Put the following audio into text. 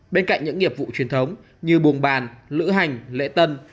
bên cạnh những nghiệp vụ truyền thống như buồng bàn lữ hành lễ tân